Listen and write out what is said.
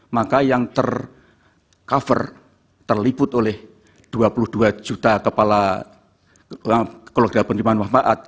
maka yang tercover terliput oleh dua puluh dua juta kepala keluarga penerimaan manfaat